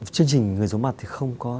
chương trình người giống mặt thì không có